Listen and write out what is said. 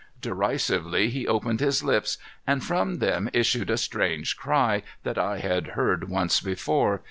Derisively he opened his lips and from them issued a strange cry, that I had heard once before.